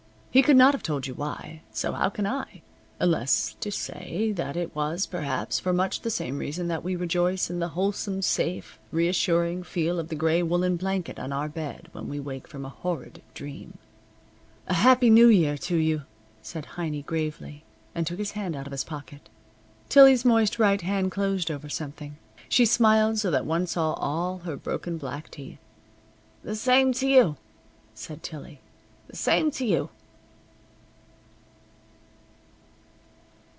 He could not have told you why, so how can I, unless to say that it was, perhaps, for much the same reason that we rejoice in the wholesome, safe, reassuring feel of the gray woolen blanket on our bed when we wake from a horrid dream. "A Happy New Year to you," said Heiny gravely, and took his hand out of his pocket. Tillie's moist right hand closed over something. She smiled so that one saw all her broken black teeth. "The same t' you," said Tillie. "The same t' you."